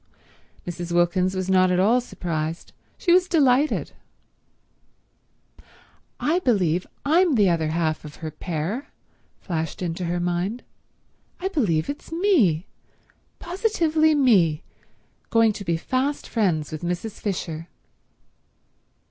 Mrs. Wilkins was not at all surprised; she was delighted. "I believe I'm the other half of her pair," flashed into her mind. "I believe it's me, positively me, going to be fast friends with Mrs. Fisher!"